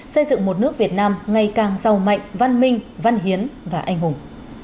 xây dựng một nước việt nam ngày càng giàu mạnh văn minh văn hiến và anh hùng